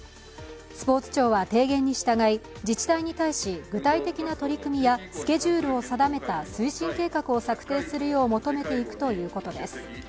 スポーツ庁は、提言に従い、自治体に対し具体的な取り組みやスケジュールを定めた推進計画を策定するよう求めていくということです。